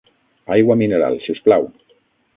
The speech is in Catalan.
Aigua mineral, si us plau!